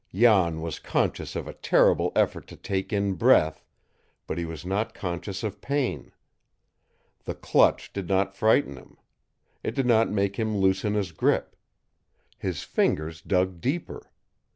Jan was conscious of a terrible effort to take in breath, but he was not conscious of pain. The clutch did not frighten him. It did not make him loosen his grip. His fingers dug deeper.